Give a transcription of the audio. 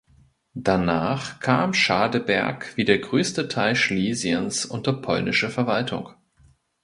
Danach kam Schadeberg wie der größte Teil Schlesiens unter polnische Verwaltung.